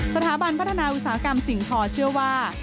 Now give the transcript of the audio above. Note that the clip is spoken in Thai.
สถาบันพัฒนาอุตสาหกรรมสิ่งทอเชื่อว่า